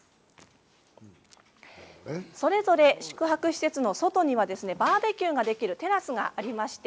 それぞれ宿泊施設の外にはバーベキューができるテラスがあります。